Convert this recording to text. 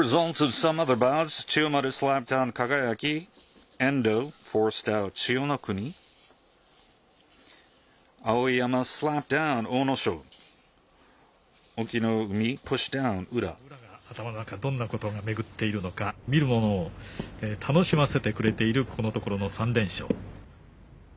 さあ、宇良が頭の中、どんなことが巡っているのか、見る者を楽しませてくれている、このところの３連勝。